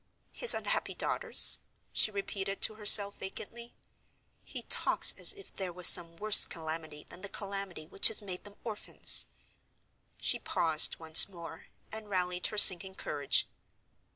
"His unhappy daughters?" she repeated to herself, vacantly. "He talks as if there was some worse calamity than the calamity which has made them orphans." She paused once more; and rallied her sinking courage.